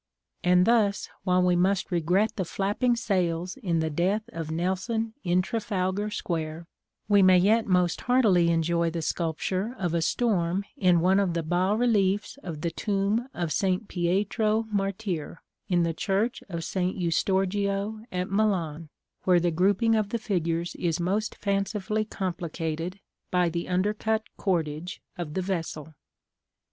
And thus, while we must regret the flapping sails in the death of Nelson in Trafalgar Square, we may yet most heartily enjoy the sculpture of a storm in one of the bas reliefs of the tomb of St. Pietro Martire in the church of St. Eustorgio at Milan, where the grouping of the figures is most fancifully complicated by the undercut cordage of the vessel.